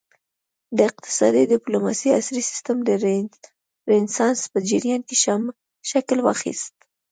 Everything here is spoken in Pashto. د اقتصادي ډیپلوماسي عصري سیسټم د رینسانس په جریان کې شکل واخیست